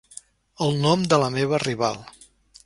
El nom de la meva rival.